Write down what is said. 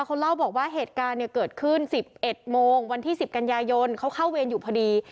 เขาเล่าบอกว่าเหตุการณ์เนี่ยเกิดขึ้น๑๑โมงวันที่๑๐กันยายนเขาเข้าเวรอยู่พอดี